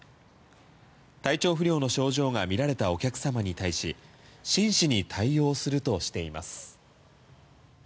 体調不良の症状が見られたお客様に対し真摯に対応するとしています。